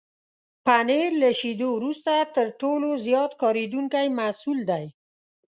پنېر له شيدو وروسته تر ټولو زیات کارېدونکی محصول دی.